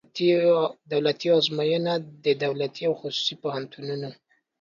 دولتي آزموینه د دولتي او خصوصي پوهنتونونو